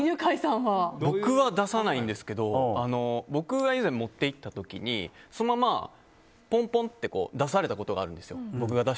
僕は、出さないんですけど僕が以前、持って行った時にそのまま出されたことがあるんです。